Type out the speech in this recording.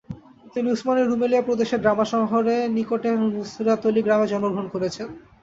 তিনি উসমানীয় রুমেলিয়া প্রদেশের ড্রামা শহরের নিকটে নুসরাতলি গ্রামে জন্মগ্রহণ করেছেন।